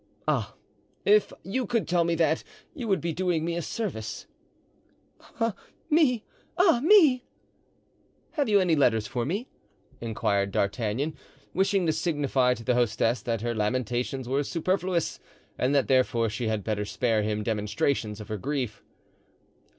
"Ah, if you could tell me that, you would be doing me a service." "Ah, me! ah, me! "Have you any letters for me?" inquired D'Artagnan, wishing to signify to the hostess that her lamentations were superfluous and that therefore she had better spare him demonstrations of her grief.